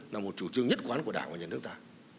là một chủ trương nhất quán của đảng và nhà nước ta